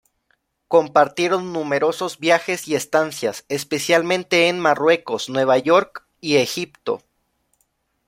Compartieron numerosos viajes y estancias, especialmente en Marruecos, Nueva York y Egipto.